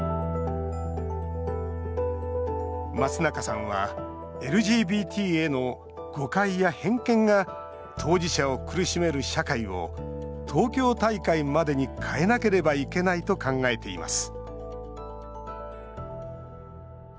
松中さんはＬＧＢＴへの誤解や偏見が当事者を苦しめる社会を東京大会までに変えなければいけないと考えています